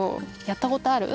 やったことある？